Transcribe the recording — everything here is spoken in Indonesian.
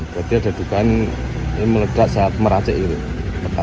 berarti ada dugaan yang melekat sehat merasik itu